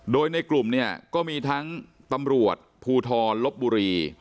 โดยในกลุ่มเนี่ยก็มีทั้งตำรวจภูทรลบบุรี